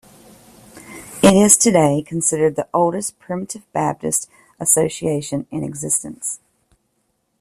It is today considered the oldest Primitive Baptist association in existence.